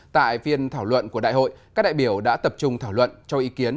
tại phiên thảo luận của đại hội các đại biểu đã tập trung thảo luận cho ý kiến